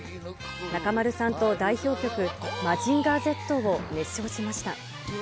中丸さんと代表曲、マジンガーＺを熱唱しました。